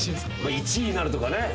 １位になるとかね。